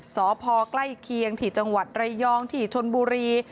สพใกล้เคียงที่จังหวัดระยองที่ชนบุรี